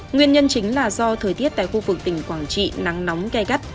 nguyên nhân chính là do thời tiết tại khu vực tỉnh quảng trị nắng nóng gai gắt